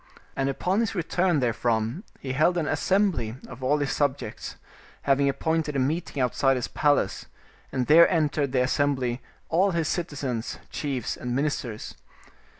And upon his return 98 Lakshadatta and Labdhadatta therefrom, he held an assembly of all his subjects, having appointed a meeting outside his palace, and there entered the assembly all his citizens, chiefs, and ministers.